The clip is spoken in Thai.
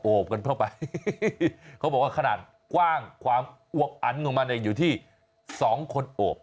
กันเข้าไปเขาบอกว่าขนาดกว้างความอวบอันของมันเนี่ยอยู่ที่๒คนโอบ